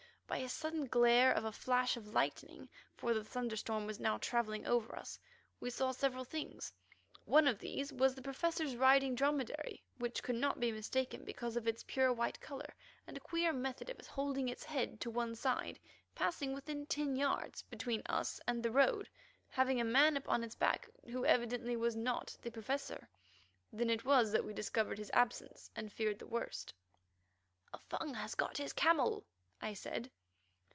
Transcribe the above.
By the sudden glare of a flash of lightning, for the thunderstorm was now travelling over us, we saw several things. One of these was the Professor's riding dromedary, which could not be mistaken because of its pure white colour and queer method of holding its head to one side, passing within ten yards, between us and the road, having a man upon its back who evidently was not the Professor. Then it was that we discovered his absence and feared the worst. "A Fung has got his camel," I said.